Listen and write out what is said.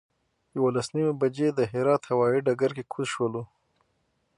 یولس نیمې بجې د هرات هوایي ډګر کې کوز شولو.